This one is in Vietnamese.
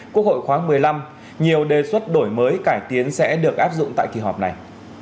quốc hội khoáng một mươi năm nhiều đề xuất đổi mới cải tiến sẽ được áp dụng tại kỳ họp này